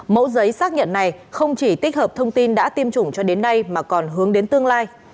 mẫu giấy xác nhận này không chỉ tích hợp thông tin đã tiêm chủng cho đến nay mà còn hướng đến tương lai